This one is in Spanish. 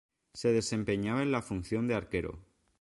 Se desempeñaba en la función de arquero.